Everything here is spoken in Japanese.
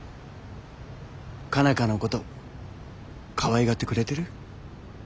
佳奈花のことかわいがってくれてる？